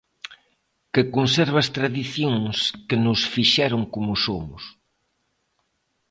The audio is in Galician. Que conserve as tradicións que nos fixeron como somos.